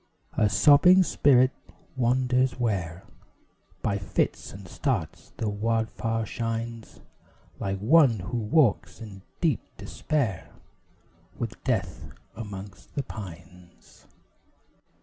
A sobbing spirit wanders where By fits and starts the wild fire shines; Like one who walks in deep despair, With Death amongst the pines.